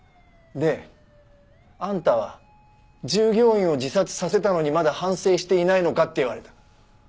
であんたは従業員を自殺させたのにまだ反省していないのかって言われた。